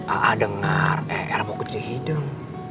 a'a dengar er mau ke cihideng